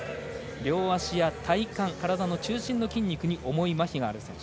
両足や体幹、体の中心の筋肉に重いまひがある選手。